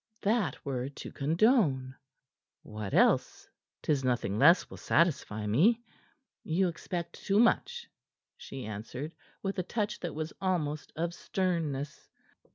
"That were to condone." "What else? 'Tis nothing less will satisfy me." "You expect too much," she answered, with a touch that was almost of sternness.